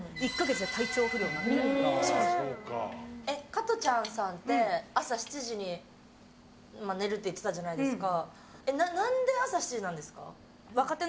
加トちゃんさんって朝７時に寝ると言ってたじゃないですか。